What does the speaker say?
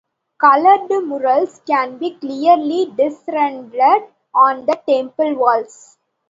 Colored murals can be clearly discerned on the temple walls.